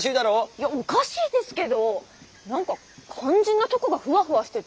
いやおかしいですけどォなんか肝心なとこがフワフワしてて。